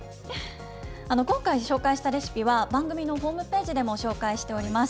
今回紹介したレシピは、番組のホームページでも紹介しております。